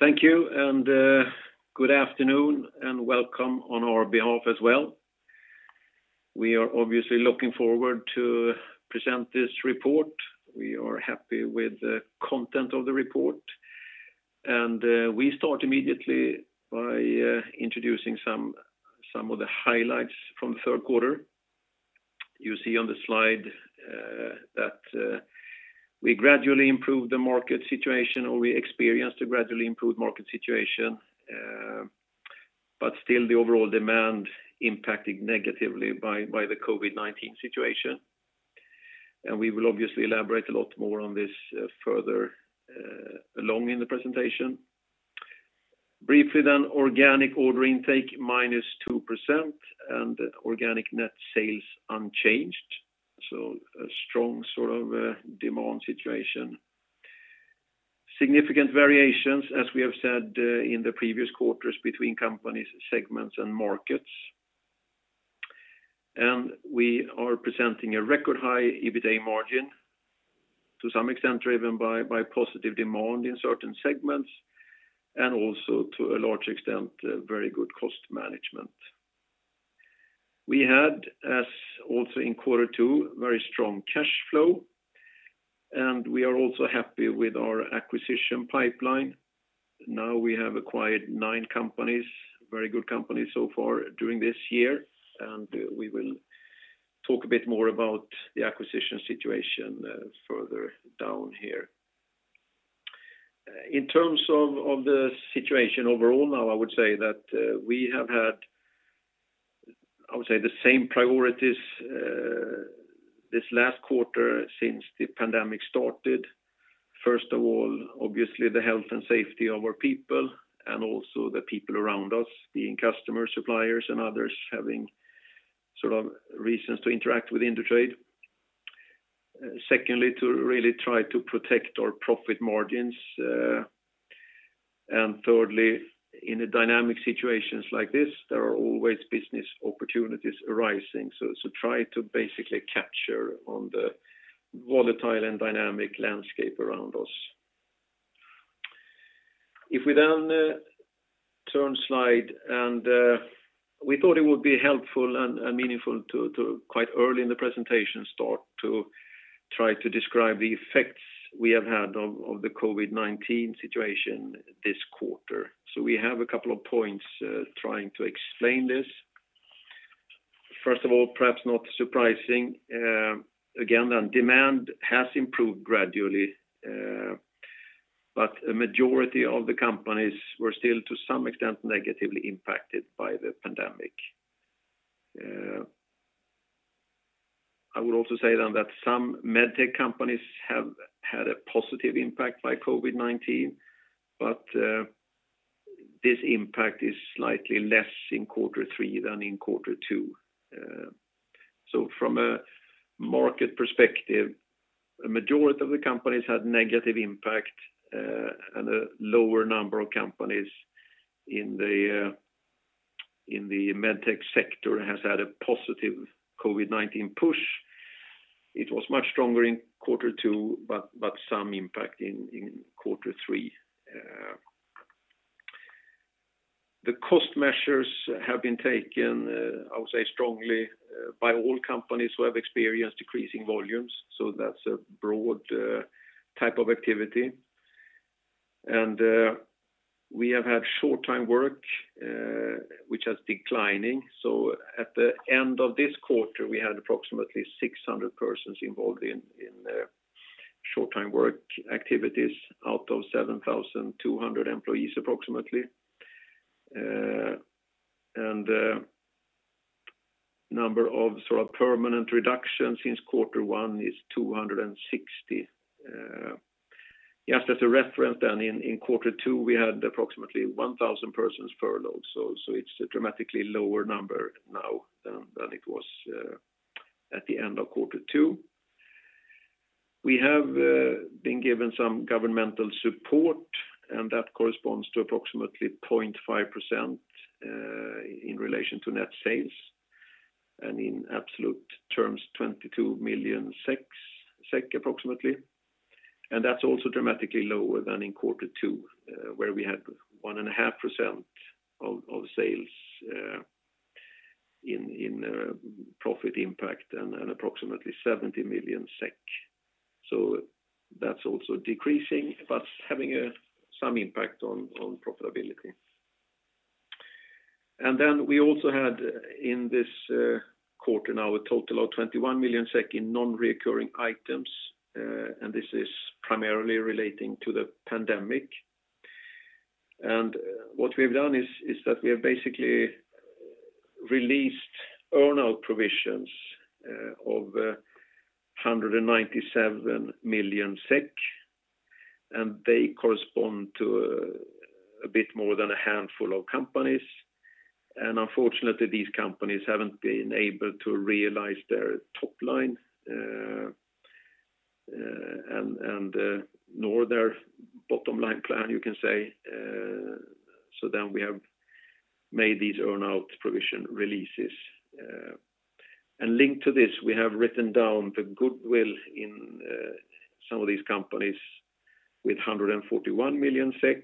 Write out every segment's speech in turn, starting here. Thank you, good afternoon, and welcome on our behalf as well. We are obviously looking forward to present this report. We are happy with the content of the report, we start immediately by introducing some of the highlights from the third quarter. You see on the slide that we gradually improved the market situation, or we experienced a gradually improved market situation, still the overall demand impacted negatively by the COVID-19 situation. We will obviously elaborate a lot more on this further along in the presentation. Briefly, organic order intake -2% and organic net sales unchanged. A strong demand situation. Significant variations, as we have said in the previous quarters, between companies, segments, and markets. We are presenting a record high EBITA margin to some extent driven by positive demand in certain segments, and also to a large extent, very good cost management. We had, as also in quarter two, very strong cash flow, and we are also happy with our acquisition pipeline. Now we have acquired nine companies, very good companies so far during this year, and we will talk a bit more about the acquisition situation further down here. In terms of the situation overall now, I would say that we have had the same priorities this last quarter since the pandemic started. First of all, obviously the health and safety of our people and also the people around us, being customers, suppliers, and others having reasons to interact with Indutrade. Secondly, to really try to protect our profit margins. Thirdly, in the dynamic situations like this, there are always business opportunities arising. Try to basically capture on the volatile and dynamic landscape around us. If we then turn slide, and we thought it would be helpful and meaningful to, quite early in the presentation, start to try to describe the effects we have had of the COVID-19 situation this quarter. We have a couple of points trying to explain this. First of all, perhaps not surprising, again, demand has improved gradually but a majority of the companies were still, to some extent, negatively impacted by the pandemic. I would also say then that some med tech companies have had a positive impact by COVID-19, but this impact is slightly less in quarter three than in quarter two. From a market perspective, a majority of the companies had negative impact, and a lower number of companies in the med tech sector has had a positive COVID-19 push. It was much stronger in quarter two, but some impact in quarter three. The cost measures have been taken, I would say, strongly by all companies who have experienced decreasing volumes, so that's a broad type of activity. We have had short-time work which has declining. At the end of this quarter, we had approximately 600 persons involved in short-time work activities out of 7,200 employees approximately. Number of permanent reductions since quarter one is 260. Just as a reference then, in quarter two, we had approximately 1,000 persons furloughed. It's a dramatically lower number now than it was at the end of quarter two. We have been given some governmental support, that corresponds to approximately 0.5% in relation to net sales, and in absolute terms 22 million SEK approximately. That's also dramatically lower than in quarter two where we had 1.5% of sales in profit impact and approximately 70 million SEK. That's also decreasing but having some impact on profitability. We also had in this quarter now a total of 21 million SEK in non-recurring items. This is primarily relating to the pandemic. What we've done is that we have basically released earn-out provisions of 197 million SEK, they correspond to a bit more than a handful of companies. Unfortunately, these companies haven't been able to realize their top line, nor their bottom-line plan, you can say. We have made these earn-out provision releases. Linked to this, we have written down the goodwill in some of these companies with 141 million SEK.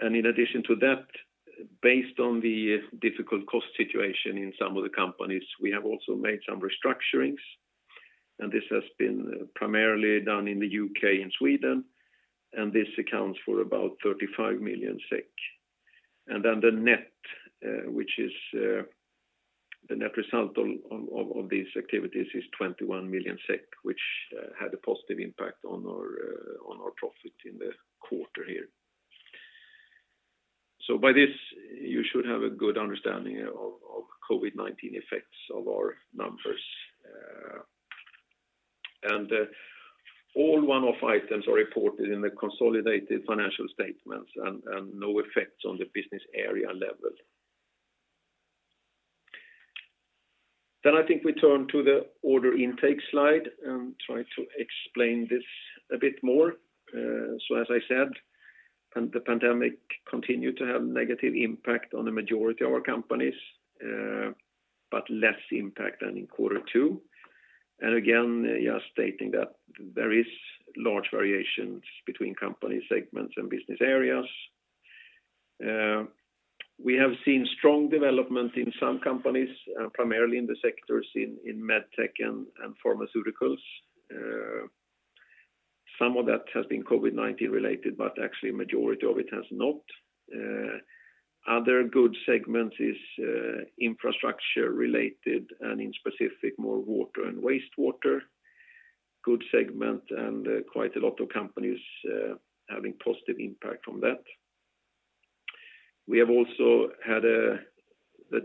In addition to that, based on the difficult cost situation in some of the companies, we have also made some restructurings, and this has been primarily done in the U.K. and Sweden, and this accounts for about 35 million SEK. The net result of these activities is 21 million SEK, which had a positive impact on our profit in the quarter here. By this, you should have a good understanding of COVID-19 effects of our numbers. All one-off items are reported in the consolidated financial statements and no effects on the business area level. I think we turn to the order intake slide and try to explain this a bit more. As I said, the pandemic continued to have negative impact on the majority of our companies, but less impact than in quarter two. Again, just stating that there is large variations between company segments and business areas. We have seen strong development in some companies, primarily in the sectors in med tech and pharmaceuticals. Some of that has been COVID-19 related, but actually a majority of it has not. Other good segments is infrastructure related and in specific, more water and wastewater, good segment, and quite a lot of companies having positive impact from that. We have also had the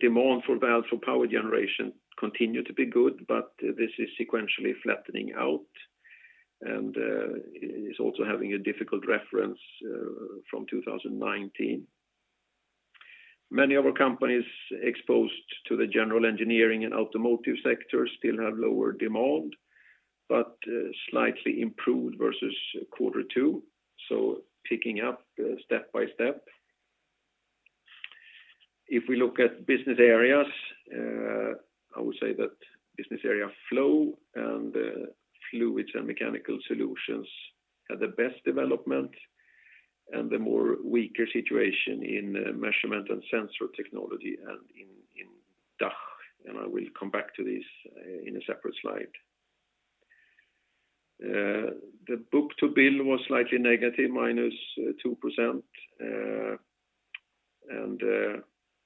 demand for valves for power generation continue to be good, but this is sequentially flattening out and is also having a difficult reference from 2019. Many of our companies exposed to the general engineering and automotive sectors still have lower demand, but slightly improved versus quarter two. Picking up step by step. If we look at business areas, I would say that business area Flow Technology and Fluids & Mechanical Solutions had the best development, and the more weaker situation in Measurement & Sensor Technology and in DACH. I will come back to this in a separate slide. The book to bill was slightly, -2%.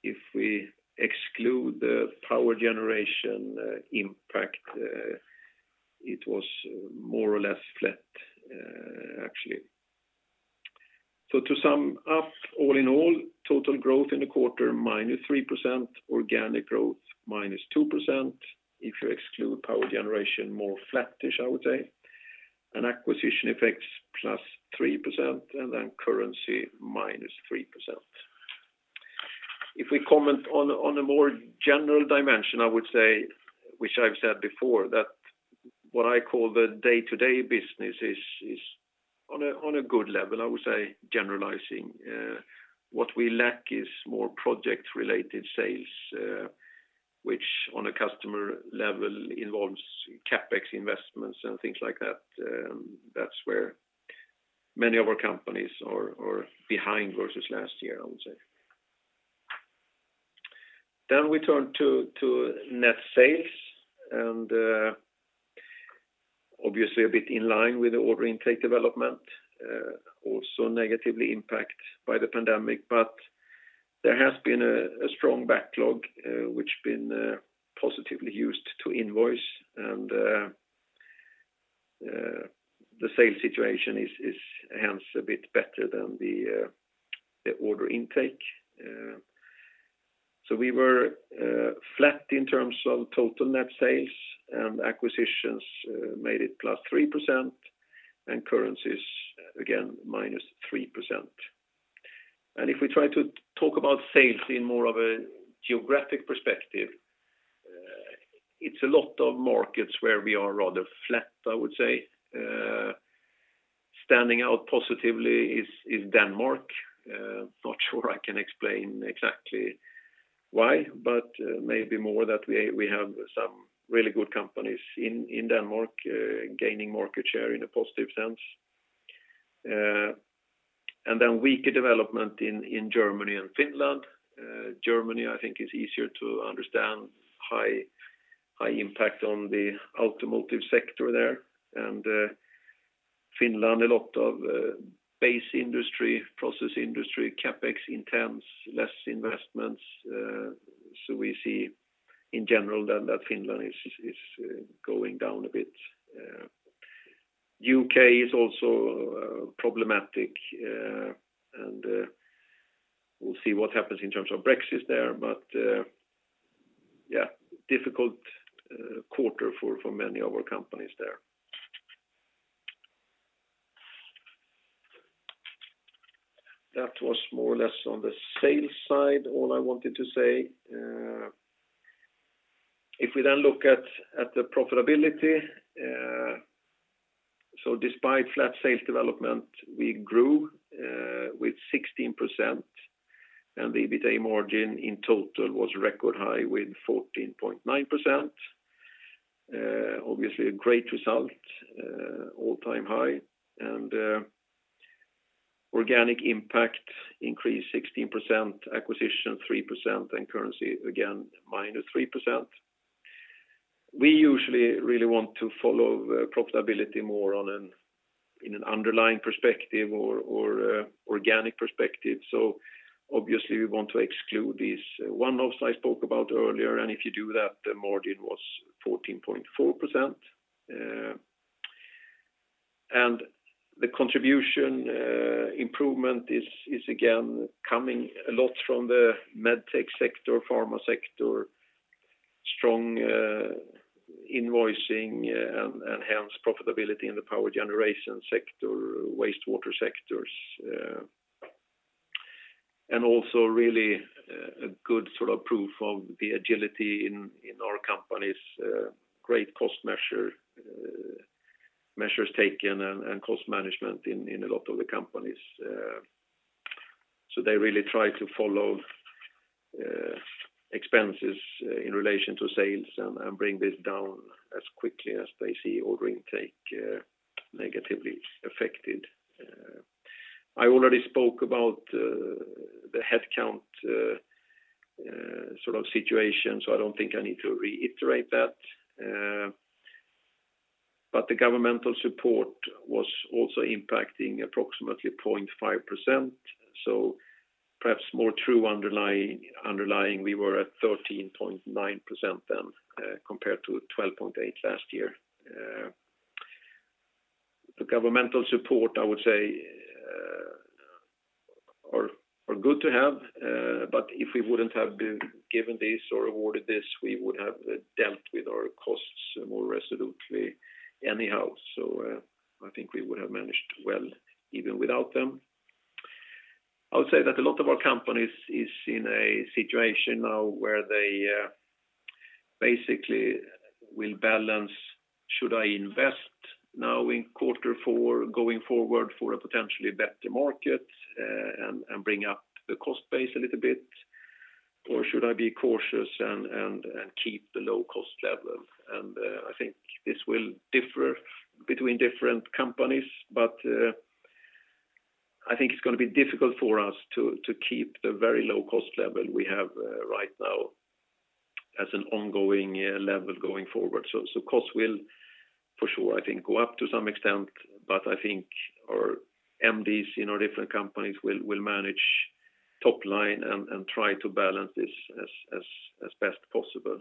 If we exclude the power generation impact, it was more or less flat actually. To sum up, all in all, total growth in the quarter, -3%, organic growth, -2%. If you exclude power generation, more flattish I would say, acquisition effects +3%, currency, -3%. If we comment on a more general dimension, I would say, which I've said before, that what I call the day-to-day business is on a good level, I would say, generalizing. What we lack is more project-related sales, which on a customer level involves CapEx investments and things like that. That's where many of our companies are behind versus last year, I would say. We turn to net sales, and obviously a bit in line with the order intake development, also negatively impact by the pandemic, but there has been a strong backlog, which been positively used to invoice and the sales situation is hence a bit better than the order intake. We were flat in terms of total net sales and acquisitions made it +3%, and currencies again, -3%. If we try to talk about sales in more of a geographic perspective, it's a lot of markets where we are rather flat, I would say. Standing out positively is Denmark. Not sure I can explain exactly why, but maybe more that we have some really good companies in Denmark gaining market share in a positive sense. Weaker development in Germany and Finland. Germany, I think is easier to understand, high impact on the automotive sector there. Finland, a lot of base industry, process industry, CapEx intense, less investments. We see in general that Finland is going down a bit. U.K. is also problematic, and we'll see what happens in terms of Brexit there. Yeah, difficult quarter for many of our companies there. That was more or less on the sales side, all I wanted to say. If we look at the profitability, despite flat sales development, we grew with 16%, and the EBITA margin in total was record high with 14.9%. A great result, all-time high, organic impact increased 16%, acquisition 3%, currency, again, -3%. We usually really want to follow profitability more in an underlying perspective or organic perspective. Obviously we want to exclude these one-offs I spoke about earlier, if you do that, the margin was 14.4%. The contribution improvement is again coming a lot from the med tech sector, pharma sector, strong invoicing, and enhanced profitability in the power generation sector, wastewater sectors. Also really a good proof of the agility in our companies, great cost measures taken and cost management in a lot of the companies. They really try to follow expenses in relation to sales and bring this down as quickly as they see order intake negatively affected. I already spoke about the headcount situation, I don't think I need to reiterate that. The governmental support was also impacting approximately 0.5%. Perhaps more true underlying, we were at 13.9% then compared to 12.8% last year. The governmental support, I would say, are good to have, but if we wouldn't have been given this or awarded this, we would have dealt with our costs more resolutely anyhow. I think we would have managed well even without them. I would say that a lot of our companies is in a situation now where they basically will balance, should I invest now in quarter four, going forward for a potentially better market, and bring up the cost base a little bit? Should I be cautious and keep the low-cost level? I think this will differ between different companies, but I think it's going to be difficult for us to keep the very low-cost level we have right now as an ongoing level going forward. Cost will, for sure, I think, go up to some extent, but I think our MDs in our different companies will manage top line and try to balance this as best possible.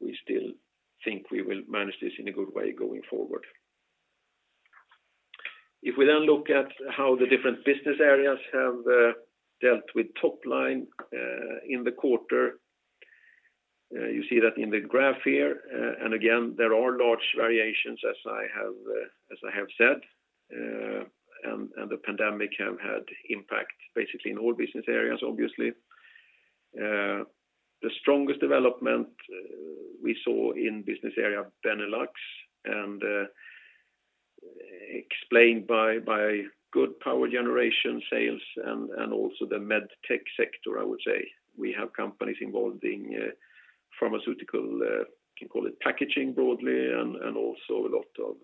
We still think we will manage this in a good way going forward. If we then look at how the different business areas have dealt with top line in the quarter, you see that in the graph here. Again, there are large variations as I have said, and the pandemic have had impact basically in all business areas, obviously. The strongest development we saw in business area Benelux, explained by good power generation sales and also the med tech sector, I would say. We have companies involved in pharmaceutical, can call it packaging broadly, and also a lot of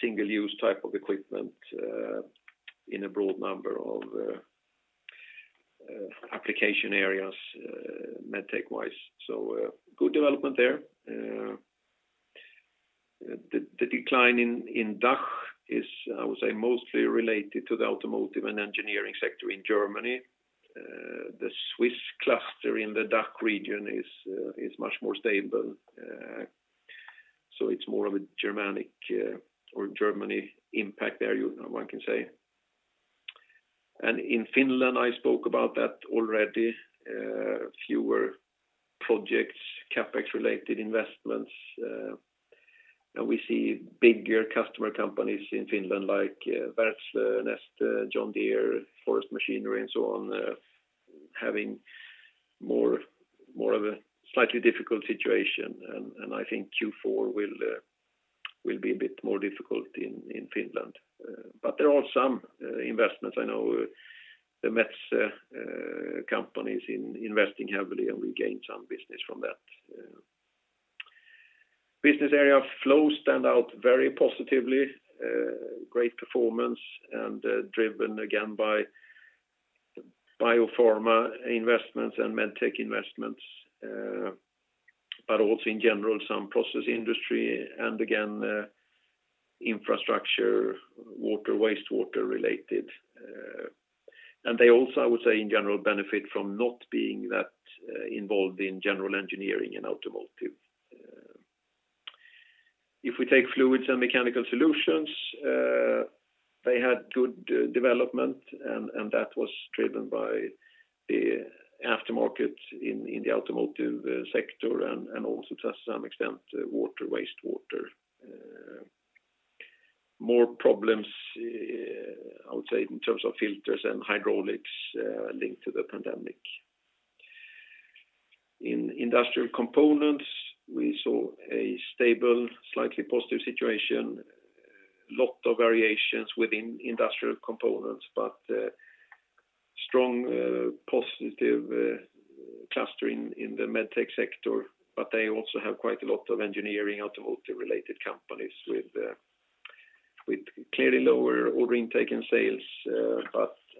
single-use type of equipment in a broad number of application areas med tech-wise. Good development there. The decline in DACH is, I would say, mostly related to the automotive and engineering sector in Germany. The Swiss cluster in the DACH region is much more stable. It's more of a Germany impact area one can say. In Finland, I spoke about that already, fewer projects, CapEx related investments. We see bigger customer companies in Finland like Wärtsilä, Neste, John Deere, forest machinery, and so on having more of a slightly difficult situation. I think Q4 will be a bit more difficult in Finland. There are some investments. I know the Metsä companies investing heavily, and we gain some business from that. Business area Flow stand out very positively, great performance, and driven again by biopharma investments and med tech investments, but also in general, some process industry, and again, infrastructure, water, wastewater related. They also, I would say, in general, benefit from not being that involved in general engineering and automotive. If we take Fluids & Mechanical Solutions, they had good development, and that was driven by the aftermarket in the automotive sector and also to some extent, water, wastewater. More problems, I would say, in terms of filters and hydraulics linked to the pandemic. In Industrial Components, we saw a stable, slightly positive situation, lot of variations within Industrial Components, but strong positive clustering in the med tech sector, but they also have quite a lot of engineering, automotive-related companies with clearly lower order intake and sales.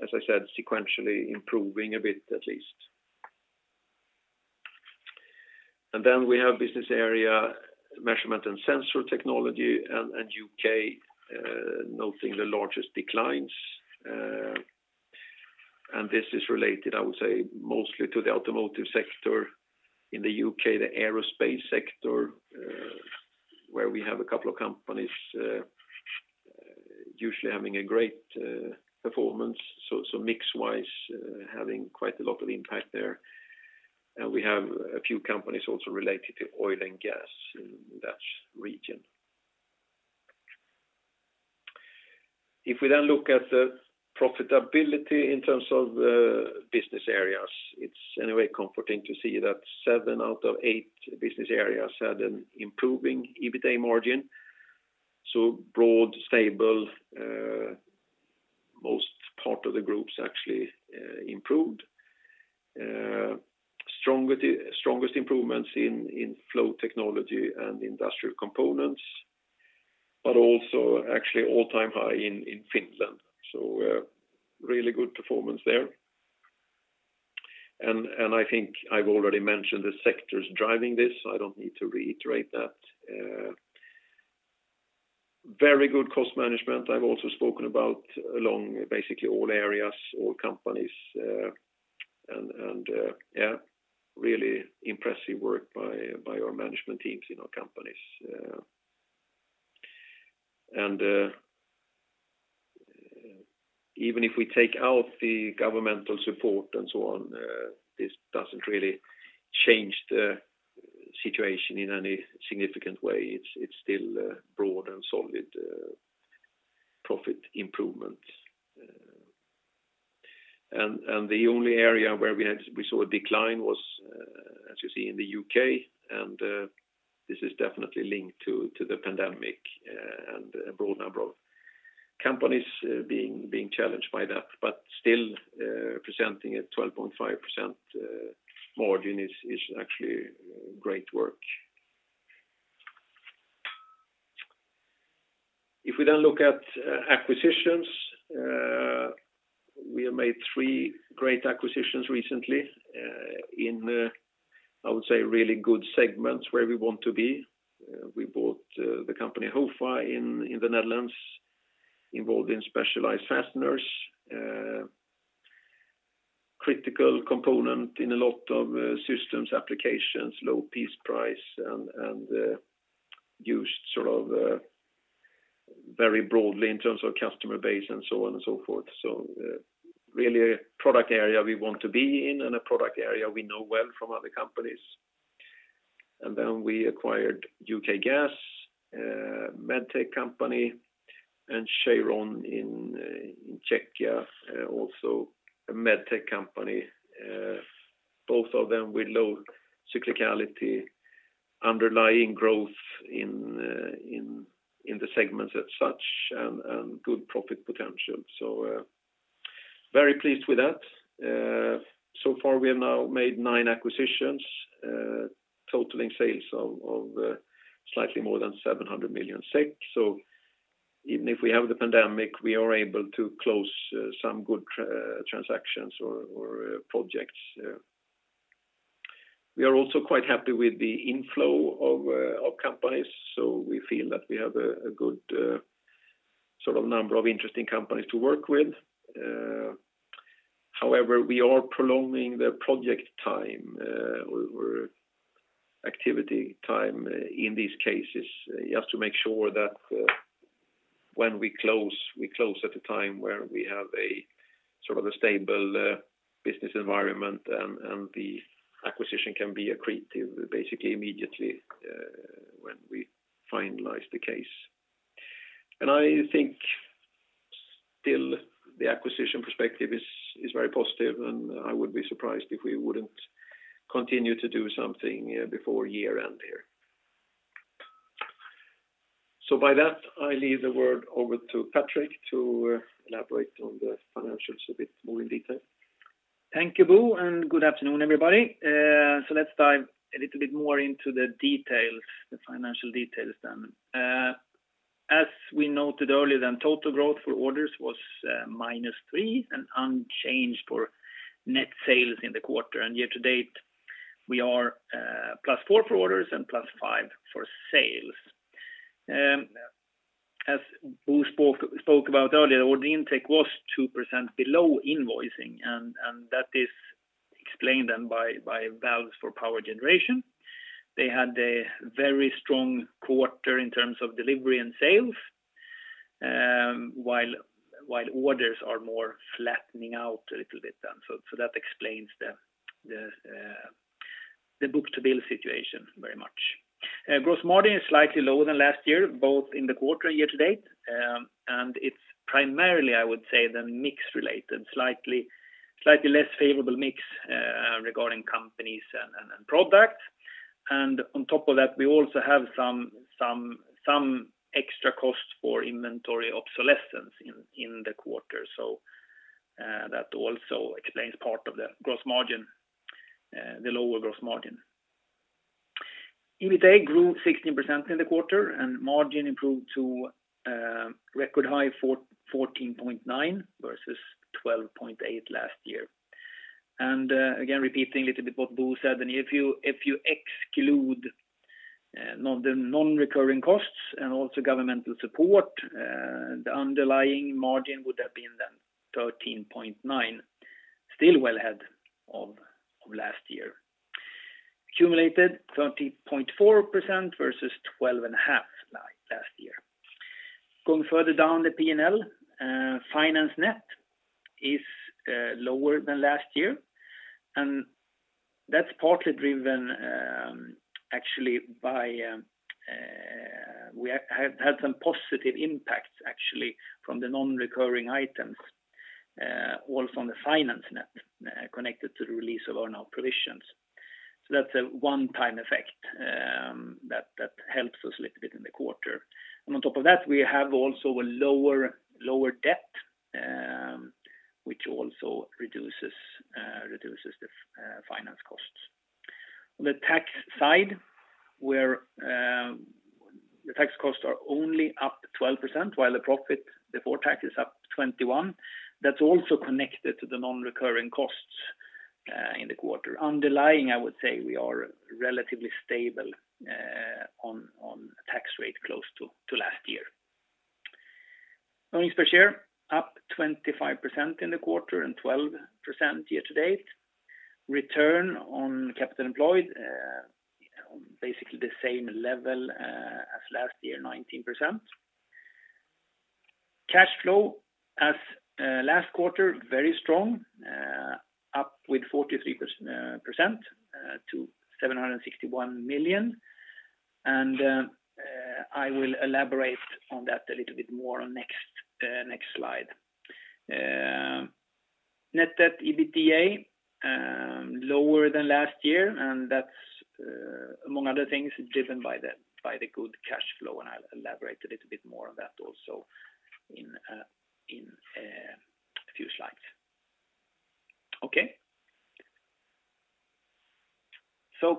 As I said, sequentially improving a bit, at least. Then we have business area Measurement & Sensor Technology and U.K. noting the largest declines. This is related, I would say, mostly to the automotive sector in the U.K., the aerospace sector, where we have a couple of companies usually having a great performance. Mix-wise, having quite a lot of impact there. We have a few companies also related to oil and gas in that region. If we look at the profitability in terms of the business areas, it's anyway comforting to see that seven out of eight business areas had an improving EBITA margin. Broad, stable, most part of the groups actually improved. Strongest improvements in Flow Technology and Industrial Components, but also actually all-time high in Finland. I think I've already mentioned the sectors driving this. I don't need to reiterate that. Very good cost management. I've also spoken about along basically all areas, all companies, and really impressive work by our management teams in our companies. Even if we take out the governmental support and so on, this doesn't really change the situation in any significant way. It's still a broad and solid profit improvement. The only area where we saw a decline was, as you see, in the U.K., and this is definitely linked to the pandemic and a broad number of companies being challenged by that, but still presenting a 12.5% margin is actually great work. If we then look at acquisitions, we have made three great acquisitions recently in, I would say, really good segments where we want to be. We bought the company HoFa in the Netherlands, involved in specialized fasteners, critical component in a lot of systems applications, low piece price, and used very broadly in terms of customer base and so on and so forth. Really a product area we want to be in and a product area we know well from other companies. Then we acquired UK Gas Technologies, and Cheirón in Czechia, also a med tech company, both of them with low cyclicality, underlying growth in the segments as such, and good profit potential. Very pleased with that. So far, we have now made nine acquisitions totaling sales of slightly more than 700 million. Even if we have the pandemic, we are able to close some good transactions or projects. We are also quite happy with the inflow of companies, so we feel that we have a good number of interesting companies to work with. However, we are prolonging the project time or activity time in these cases, just to make sure that when we close, we close at a time where we have a stable business environment and the acquisition can be accretive basically immediately when we finalize the case. I think still the acquisition perspective is very positive, and I would be surprised if we wouldn't continue to do something before year-end here. With that, I leave the word over to Patrik to elaborate on the financials a bit more in detail. Thank you, Bo, and good afternoon, everybody. Let's dive a little bit more into the financial details then. As we noted earlier, total growth for orders was -3% and unchanged for net sales in the quarter. Year-to-date, we are +4 for orders and +5 for sales. As Bo spoke about earlier, order intake was 2% below invoicing, and that is explained by valves for power generation. They had a very strong quarter in terms of delivery and sales, while orders are more flattening out a little bit. That explains the book-to-bill situation very much. Gross margin is slightly lower than last year, both in the quarter year-to-date. It's primarily, I would say, the mix related, slightly less favorable mix regarding companies and products. On top of that, we also have some extra costs for inventory obsolescence in the quarter. That also explains part of the lower gross margin. EBITA grew 16% in the quarter, and margin improved to a record high 14.9% versus 12.8% last year. Again, repeating a little bit what Bo said, if you exclude the non-recurring costs and also governmental support, the underlying margin would have been then 13.9%, still well ahead of last year. Accumulated 30.4% versus 12.5% last year. Going further down the P&L, finance net is lower than last year, and that's partly driven actually by some positive impacts from the non-recurring items, also on the finance net connected to the release of earnout provisions. That's a one-time effect that helps us a little bit in the quarter. On top of that, we have also a lower debt, which also reduces the finance costs. On the tax side, where the tax costs are only up 12%, while the profit before tax is up 21%. That's also connected to the non-recurring costs in the quarter. Underlying, I would say we are relatively stable on a tax rate close to last year. Earnings per share up 25% in the quarter and 12% year to date. Return on capital employed, basically the same level as last year, 19%. Cash flow as last quarter, very strong, up with 43% to SEK 761 million. I will elaborate on that a little bit more on next slide. Net debt EBITDA lower than last year, that's, among other things, driven by the good cash flow, I'll elaborate a little bit more on that also in a few slides. Okay.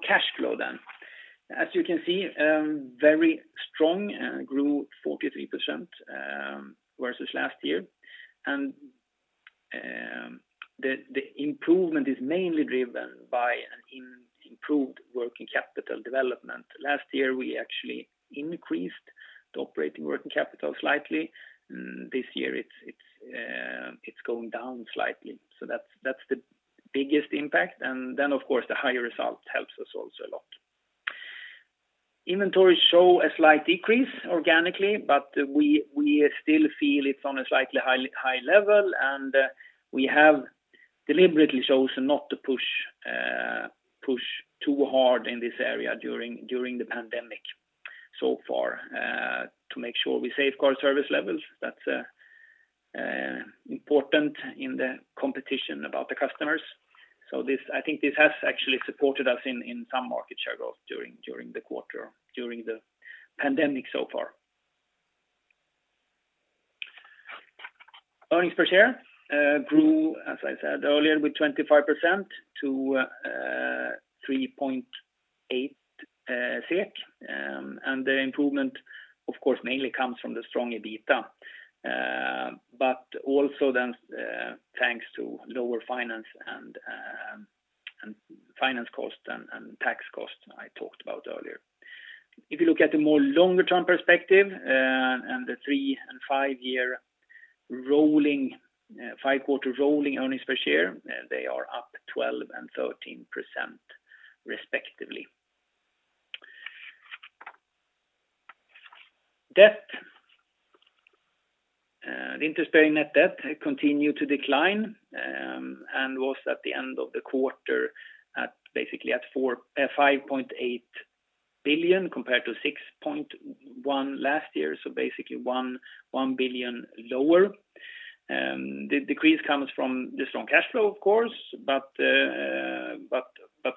Cash flow then. As you can see, very strong, grew 43% versus last year. The improvement is mainly driven by an improved working capital development. Last year, we actually increased the operating working capital slightly. This year it's going down slightly. That's the biggest impact. Of course, the higher result helps us also a lot. Inventories show a slight decrease organically, we still feel it's on a slightly high level, we have deliberately chosen not to push too hard in this area during the pandemic so far to make sure we safeguard service levels. That's important in the competition about the customers. I think this has actually supported us in some market share growth during the quarter, during the pandemic so far. Earnings per share grew, as I said earlier, with 25% to 3.8 SEK. The improvement, of course, mainly comes from the strong EBITDA. Also thanks to lower finance cost and tax cost I talked about earlier. If you look at the more longer-term perspective and the three- and five-quarter rolling earnings per share, they are up 12% and 13%, respectively. Debt. The interest-bearing net debt continued to decline and was at the end of the quarter basically at 5.8 billion compared to 6.1 billion last year. Basically 1 billion lower. The decrease comes from the strong cash flow, of course,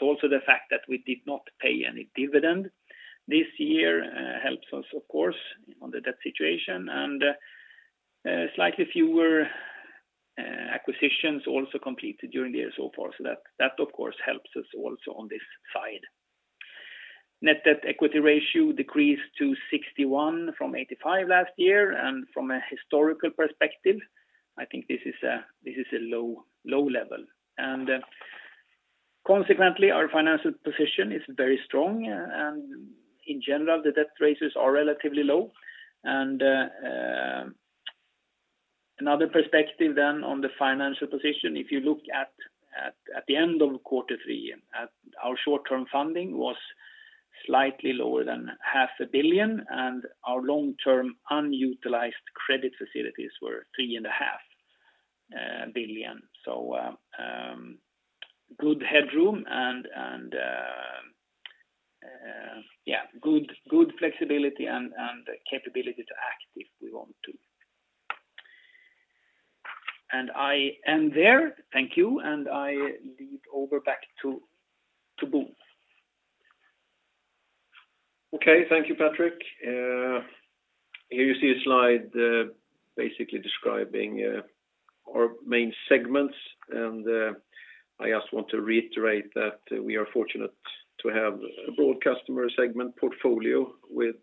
also the fact that we did not pay any dividend this year helps us, of course, on the debt situation. Slightly fewer acquisitions also completed during the year so far. That, of course, helps us also on this side. Net debt equity ratio decreased to 61% from 85% last year. From a historical perspective, I think this is a low level. Consequently, our financial position is very strong. In general, the debt ratios are relatively low. Another perspective then on the financial position, if you look at the end of quarter three, our short-term funding was slightly lower than 0.5 billion, and our long-term unutilized credit facilities were 3.5 billion. Good headroom and good flexibility and the capability to act if we want to. I am there. Thank you, and I lead over back to Bo. Okay. Thank you, Patrik. Here you see a slide basically describing our main segments. I just want to reiterate that we are fortunate to have a broad customer segment portfolio with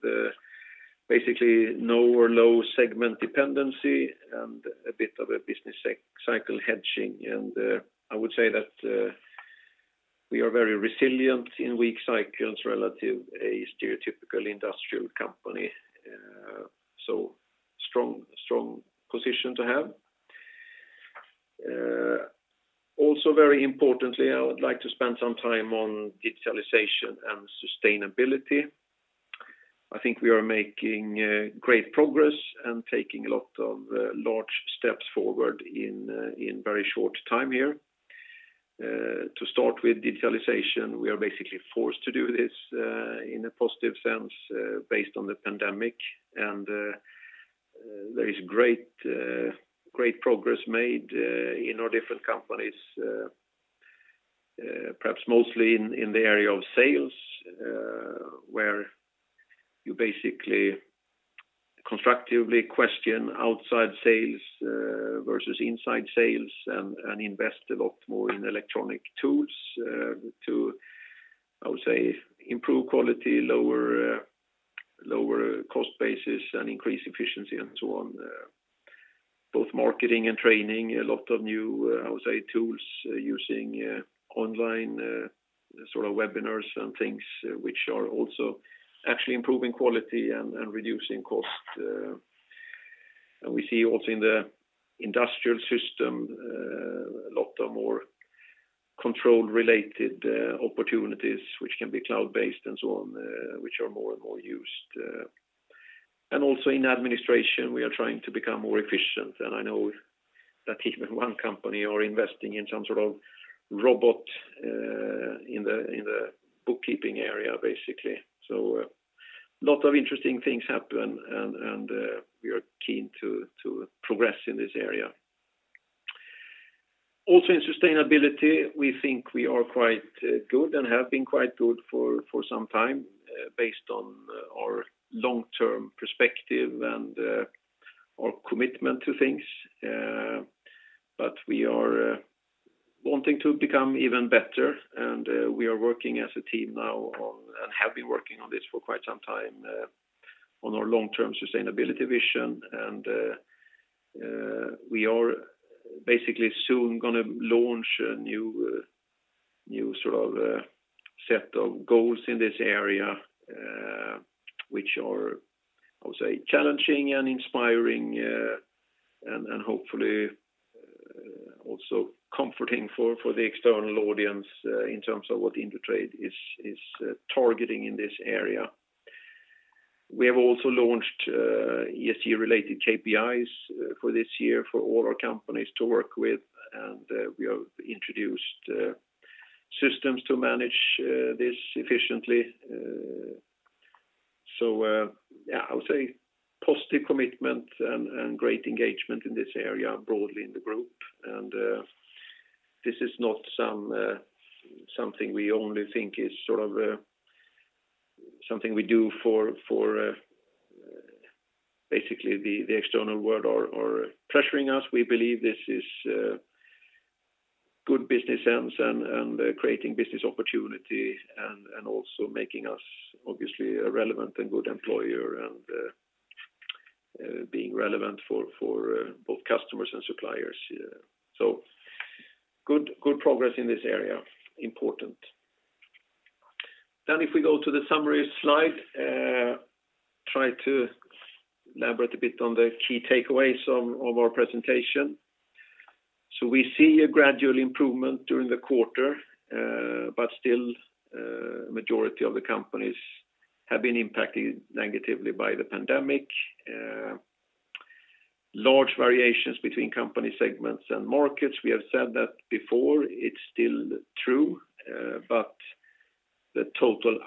basically no or low segment dependency and a bit of a business cycle hedging. I would say that we are very resilient in weak cycles relative a stereotypical industrial company. Strong position to have. Very importantly, I would like to spend some time on digitalization and sustainability. I think we are making great progress and taking a lot of large steps forward in very short time here. To start with digitalization, we are basically forced to do this in a positive sense based on the pandemic. There is great progress made in our different companies. Perhaps mostly in the area of sales where you basically constructively question outside sales versus inside sales and invest a lot more in electronic tools to, I would say, improve quality, lower cost basis, and increase efficiency and so on. Both marketing and training, a lot of new, I would say, tools using online webinars and things which are also actually improving quality and reducing cost. We see also in the industrial system a lot of more control-related opportunities which can be cloud-based and so on, which are more and more used. Also in administration, we are trying to become more efficient, and I know that even one company are investing in some sort of robot in the bookkeeping area, basically. A lot of interesting things happen, and we are keen to progress in this area. In sustainability, we think we are quite good and have been quite good for some time based on our long-term perspective and our commitment to things. We are wanting to become even better, and we are working as a team now and have been working on this for quite some time on our long-term sustainability vision. We are basically soon going to launch a new set of goals in this area, which are, I would say, challenging and inspiring and hopefully also comforting for the external audience in terms of what Indutrade is targeting in this area. We have also launched ESG-related KPIs for this year for all our companies to work with, and we have introduced systems to manage this efficiently. I would say positive commitment and great engagement in this area broadly in the group. This is not something we do for basically the external world or pressuring us. We believe this is good business sense and creating business opportunity and also making us obviously a relevant and good employer and being relevant for both customers and suppliers. Good progress in this area. Important. If we go to the summary slide, try to elaborate a bit on the key takeaways of our presentation. We see a gradual improvement during the quarter, but still majority of the companies have been impacted negatively by the pandemic. Large variations between company segments and markets. We have said that before, it's still true but the total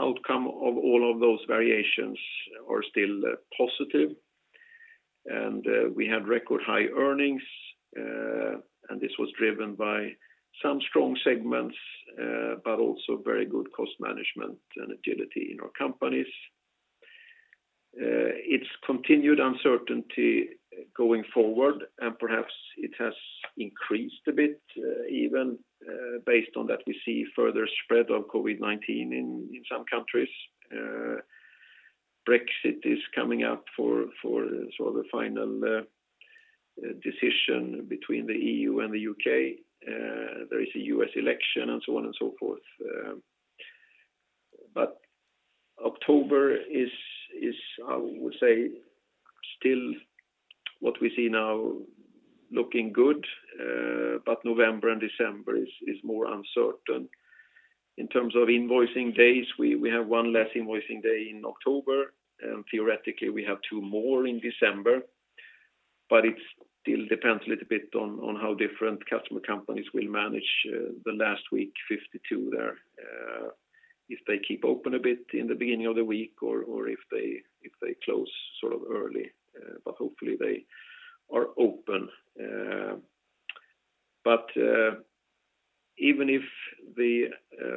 outcome of all of those variations are still positive. We had record high earnings, and this was driven by some strong segments but also very good cost management and agility in our companies. It's continued uncertainty going forward, and perhaps it has increased a bit even based on that we see further spread of COVID-19 in some countries. Brexit is coming up for the final decision between the EU and the U.K. There is a U.S. election and so on and so forth. October is, I would say, still what we see now looking good, but November and December is more uncertain. In terms of invoicing days, we have one less invoicing day in October, and theoretically we have two more in December. It still depends a little bit on how different customer companies will manage the last week 52 there. If they keep open a bit in the beginning of the week or if they close early. Hopefully they are open. Even if the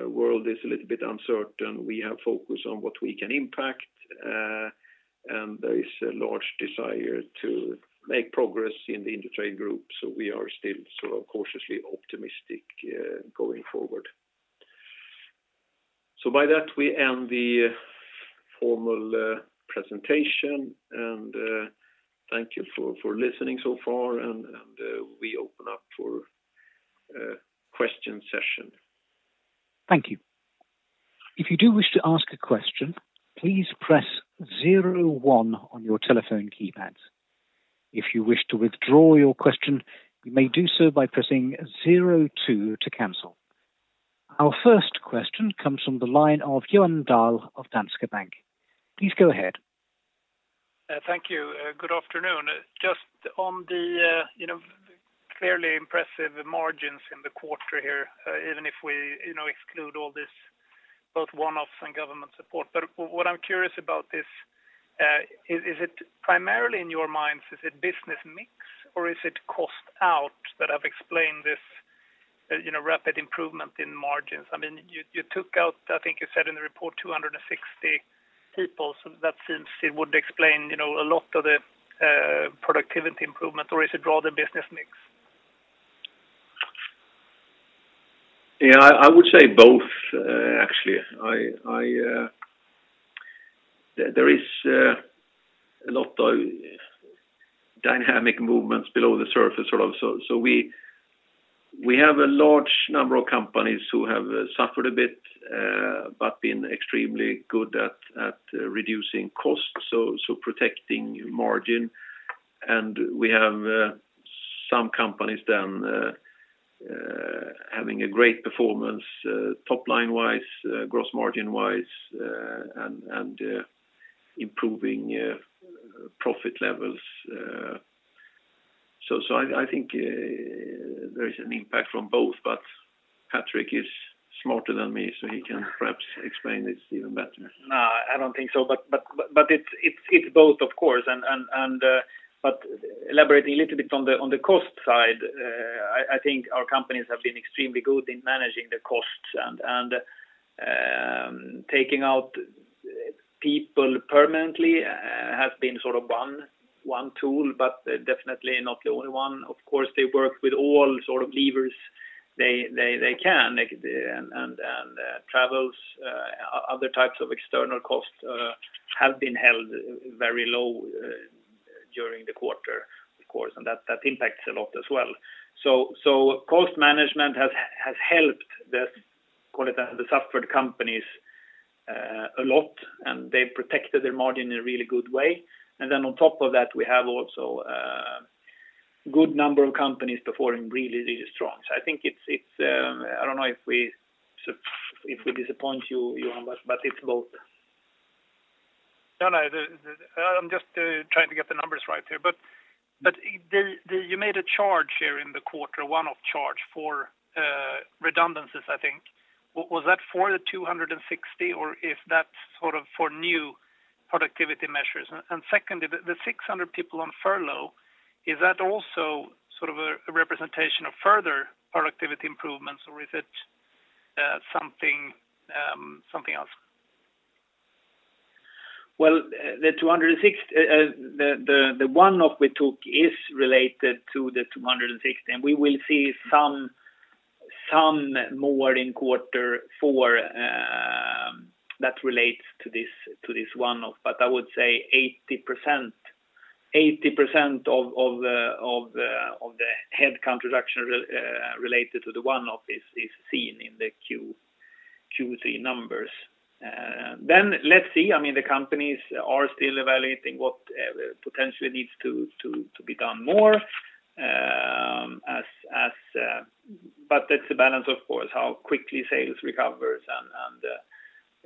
world is a little bit uncertain, we are focused on what we can impact. There is a large desire to make progress in the Indutrade group. We are still cautiously optimistic going forward. By that, we end the formal presentation, and thank you for listening so far, and we open up for question session. Thank you. If you do wish to ask a question, please press zero one on your telephone keypad. If you wish to withdraw your question, you may do so by pressing zero two to cancel. Our first question comes from the line of Johan Dahl of Danske Bank. Please go ahead. Thank you. Good afternoon. Just on the clearly impressive margins in the quarter here, even if we exclude all this, both one-offs and government support. What I'm curious about is, primarily in your minds, is it business mix or is it cost out that have explained this rapid improvement in margins? You took out, I think you said in the report, 260 people. That seems it would explain a lot of the productivity improvement. Is it rather business mix? I would say both, actually. There is a lot of dynamic movements below the surface. We have a large number of companies who have suffered a bit, but been extremely good at reducing costs, so protecting margin. We have some companies then having a great performance top-line wise, gross margin wise, and improving profit levels. I think there is an impact from both, but Patrik is smarter than me, so he can perhaps explain this even better. No, I don't think so. It's both, of course. Elaborating a little bit on the cost side, I think our companies have been extremely good in managing the costs and taking out people permanently has been one tool, but definitely not the only one. Of course, they work with all sort of levers they can. Travels, other types of external costs have been held very low during the quarter, of course, and that impacts a lot as well. Cost management has helped the suffered companies a lot, and they protected their margin in a really good way. On top of that, we have also a good number of companies performing really, really strong. I don't know if we disappoint you, Johan, but it's both. No, I'm just trying to get the numbers right here. You made a charge here in the quarter, a one-off charge for redundancies, I think. Was that for the 260, or if that's for new productivity measures? Secondly, the 600 people on furlough, is that also a representation of further productivity improvements, or is it something else? Well, the one-off we took is related to the 260, and we will see some more in quarter four that relates to this one-off. I would say 80% of the headcount reduction related to the one-off is seen in the Q3 numbers. Let's see. The companies are still evaluating what potentially needs to be done more. That's the balance, of course, how quickly sales recovers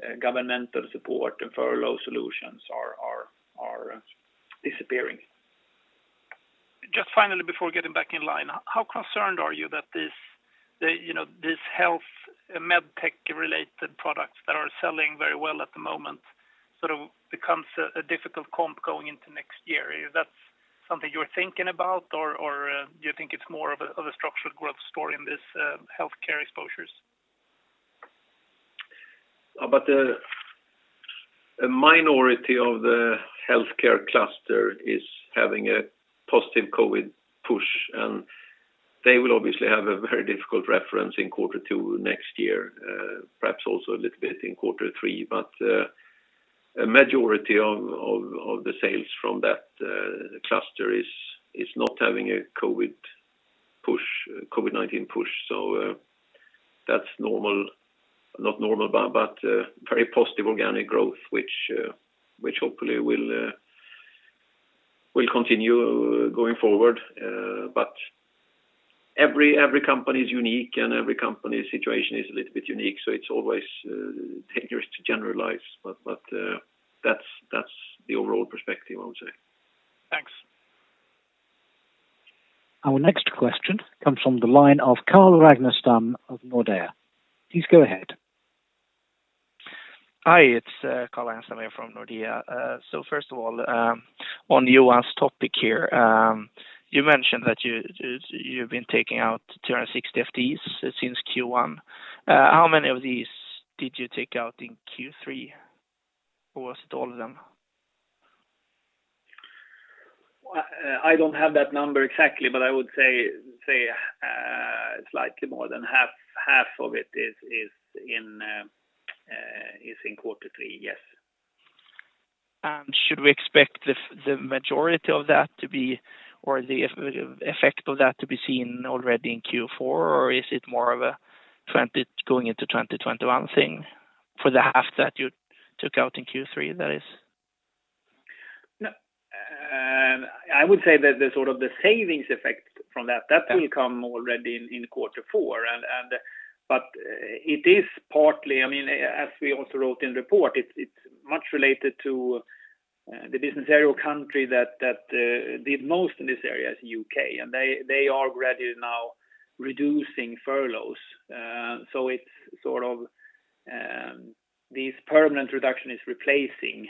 and governmental support and furlough solutions are disappearing. Just finally, before getting back in line, how concerned are you that these health med tech-related products that are selling very well at the moment becomes a difficult comp going into next year? Is that something you're thinking about, or do you think it's more of a structural growth story in this healthcare exposures? A minority of the healthcare cluster is having a positive COVID push, and they will obviously have a very difficult reference in quarter two next year, perhaps also a little bit in quarter three. A majority of the sales from that cluster is not having a COVID. COVID-19 push. That's very positive organic growth which hopefully will continue going forward. Every company is unique, and every company's situation is a little bit unique, so it's always dangerous to generalize. That's the overall perspective, I would say. Thanks. Our next question comes from the line of Carl Ragnerstam of Nordea. Please go ahead. Hi, it's Carl Ragnerstam from Nordea. First of all, on Johan's topic here, you mentioned that you've been taking out 260 FTEs since Q1. How many of these did you take out in Q3, or was it all of them? I don't have that number exactly, but I would say slightly more than half of it is in quarter three, yes. Should we expect the majority of that to be, or the effect of that to be seen already in Q4? Or is it more of a going into 2021 thing for the half that you took out in Q3, that is? No. I would say that the sort of the savings effect from that will come already in quarter four. It is partly, as we also wrote in the report, it's much related to the business area or country that did most in this area is U.K., and they are already now reducing furloughs. It's sort of this permanent reduction is replacing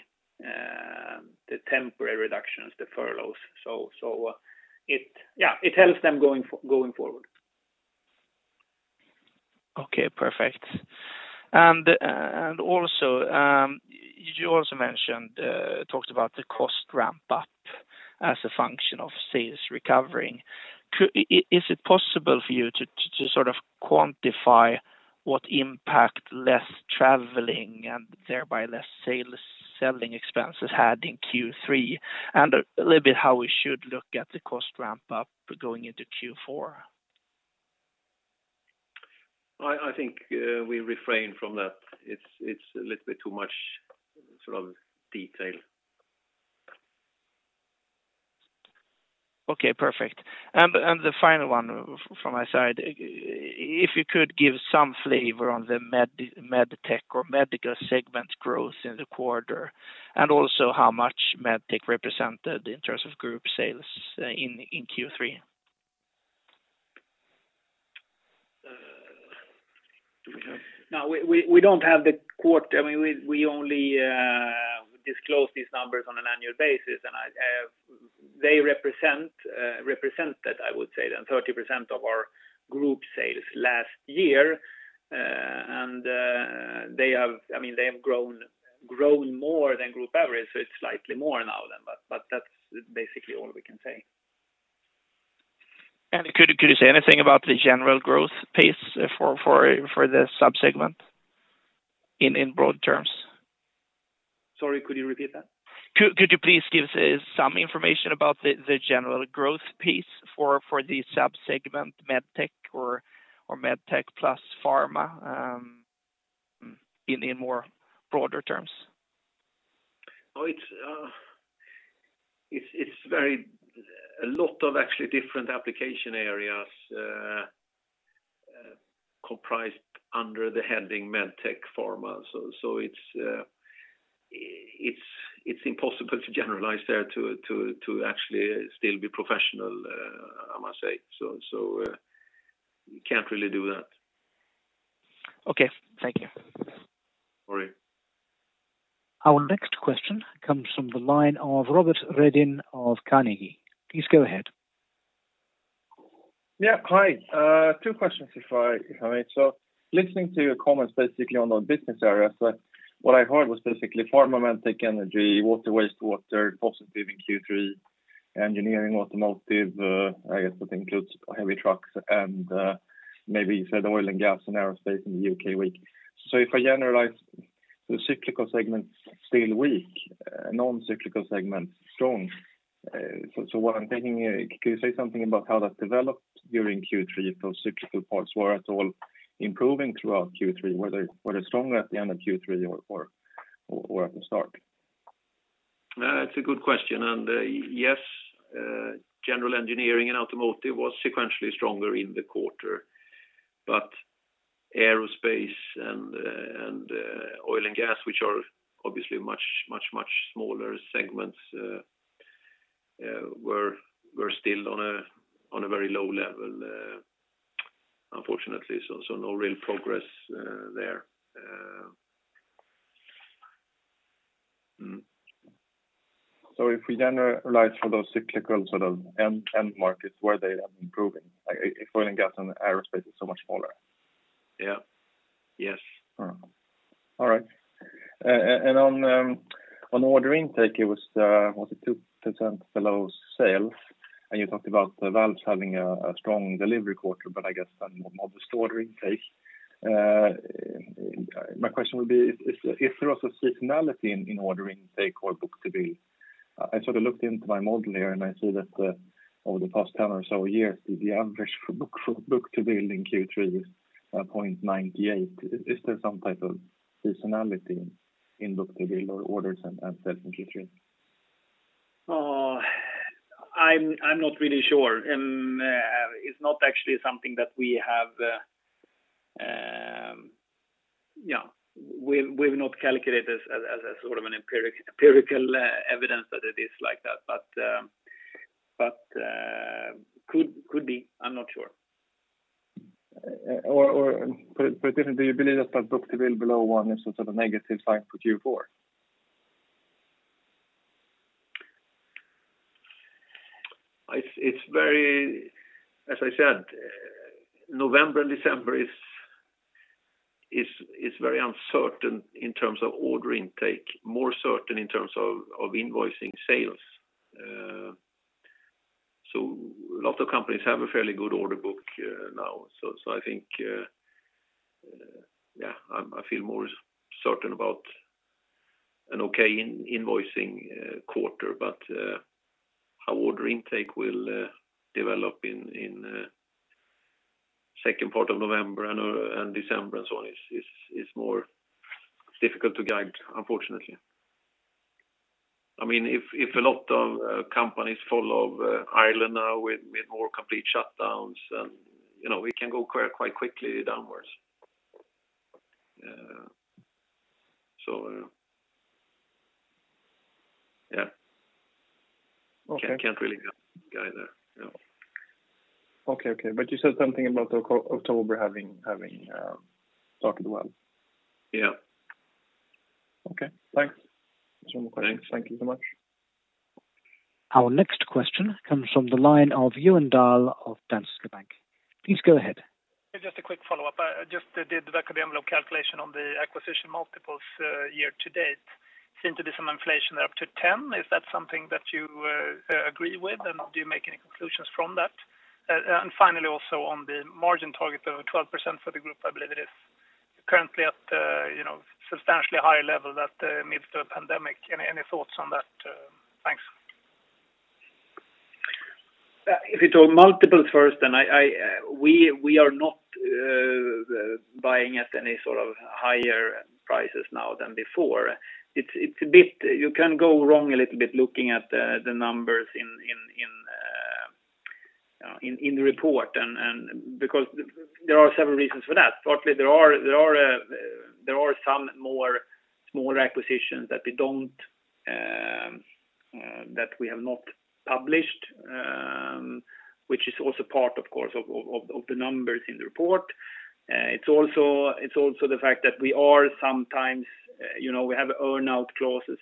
the temporary reductions, the furloughs. It helps them going forward. Okay, perfect. You also mentioned, talked about the cost ramp-up as a function of sales recovering. Is it possible for you to sort of quantify what impact less traveling, and thereby less selling expenses had in Q3, and a little bit how we should look at the cost ramp-up going into Q4? I think we refrain from that. It's a little bit too much sort of detail. Okay, perfect. The final one from my side, if you could give some flavor on the med tech or medical segment growth in the quarter, also how much med tech represented in terms of group sales in Q3. We don't have the quarter. We only disclose these numbers on an annual basis, they represent, I would say, then 30% of our group sales last year. They have grown more than group average, it's slightly more now then. That's basically all we can say. Could you say anything about the general growth pace for the sub-segment in broad terms? Sorry, could you repeat that? Could you please give some information about the general growth pace for the sub-segment med tech or med tech plus pharma in more broader terms? It's a lot of actually different application areas comprised under the heading Med Tech Pharma. It's impossible to generalize there to actually still be professional, I must say. We can't really do that. Okay. Thank you. All right. Our next question comes from the line of Robert Redin of Carnegie. Please go ahead. Yeah. Hi. Two questions if I may. Listening to your comments basically on the business areas, what I heard was basically pharma, med tech, energy, waste water, positive in Q3. Engineering, automotive, I guess that includes heavy trucks, and maybe you said oil and gas and aerospace in the U.K. weak. If I generalize, the cyclical segments still weak, non-cyclical segments strong. What I'm thinking, could you say something about how that developed during Q3? If those cyclical parts were at all improving throughout Q3? Were they stronger at the end of Q3 or at the start? That's a good question. Yes, general engineering and automotive was sequentially stronger in the quarter. Aerospace and oil and gas, which are obviously much smaller segments were still on a very low level unfortunately. No real progress there. If we generalize for those cyclical sort of end markets, were they then improving? If oil and gas and aerospace is so much smaller. Yeah. Yes. All right. On order intake, it was 2% below sales, and you talked about the valves having a strong delivery quarter, but I guess then more modest order intake. My question will be, is there also seasonality in ordering, say, core book-to-bill? I looked into my model here, and I see that over the past 10 or so years, the average for book-to-bill in Q3 is 0.98. Is there some type of seasonality in book-to-bill or orders and sales in Q3? I'm not really sure. It's not actually something We've not calculated as an empirical evidence that it is like that. Could be, I'm not sure. Patrik, do you believe that a book-to-bill below one is some sort of negative sign for Q4? As I said, November and December is very uncertain in terms of order intake, more certain in terms of invoicing sales. A lot of companies have a fairly good order book now. I feel more certain about an okay invoicing quarter. How order intake will develop in second part of November and December and so on is more difficult to guide, unfortunately. If a lot of companies follow Ireland now with more complete shutdowns, we can go quite quickly downwards. Yeah. Okay. Can't really guide there, no. Okay. You said something about October having started well? Yeah. Okay, thank you so much. Our next question comes from the line of Johan Dahl of Danske Bank. Please go ahead. Just a quick follow-up. I just did the back of the envelope calculation on the acquisition multiples year to date. Seem to be some inflation there up to 10. Is that something that you agree with, and do you make any conclusions from that? Finally, also on the margin target of 12% for the group, I believe it is currently at a substantially higher level that amidst a pandemic. Any thoughts on that? Thanks. If you talk multiples first, we are not buying at any sort of higher prices now than before. You can go wrong a little bit looking at the numbers in the report because there are several reasons for that. Partly, there are some more smaller acquisitions that we have not published, which is also part, of course, of the numbers in the report. It's also the fact that we have earn-out clauses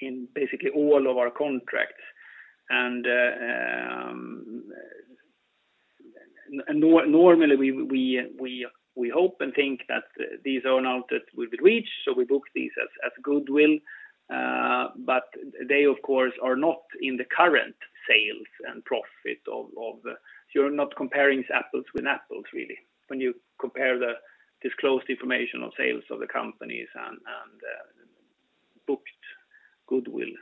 in basically all of our contracts. Normally, we hope and think that these earn-outs will be reached, so we book these as goodwill. They, of course, are not in the current sales and profit. You're not comparing apples with apples, really, when you compare the disclosed information of sales of the companies and booked goodwill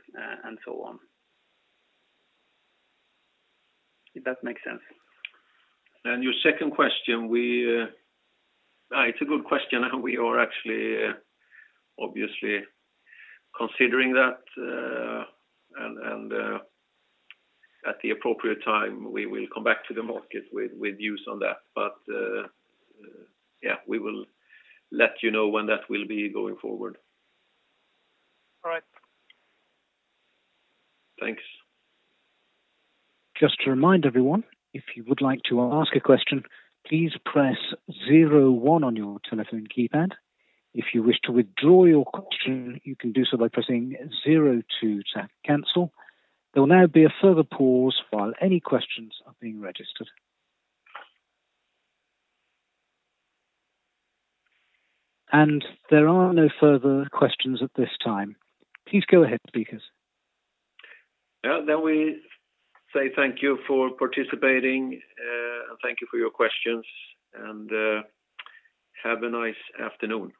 and so on. If that makes sense. Your second question, it's a good question, and we are actually obviously considering that. At the appropriate time, we will come back to the market with views on that. We will let you know when that will be going forward. All right. Thanks. Just to remind everyone, if you would like to ask a question, please press zero one on your telephone keypad. If you wish to withdraw your question, you can do so by pressing zero two to cancel. There will now be a further pause while any questions are being registered. And there are no further questions at this time. Please go ahead, speakers. We say thank you for participating, and thank you for your questions. Have a nice afternoon.